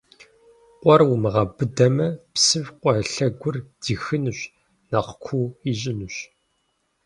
Къуэр умыгъэбыдэмэ, псым къуэ лъэгур дихынущ, нэхъ куу ищӀынущ.